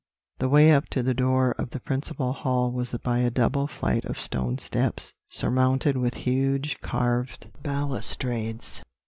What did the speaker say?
The way up to the door of the principal hall was by a double flight of stone steps, surmounted with huge carved balustrades.